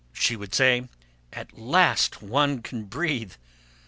She would say, "At last one can breathe!"